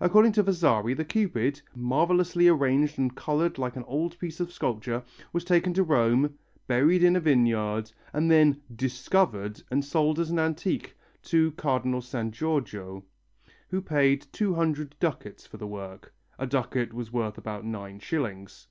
According to Vasari, the Cupid, marvellously arranged and coloured like an old piece of sculpture, was taken to Rome, buried in a vineyard and then "discovered" and sold as an antique to Cardinal San Giorgio, who paid 200 ducats for the work (a ducat was worth about 9s.).